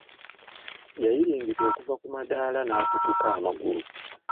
Yayiringita okuva ku madaala n'akutuka amagulu.